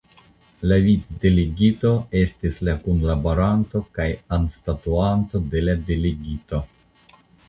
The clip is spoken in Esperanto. La Vicdelegito estas la kunlaboranto kaj anstataŭanto de la Delegito.